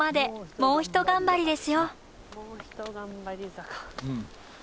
もうひと頑張りやす。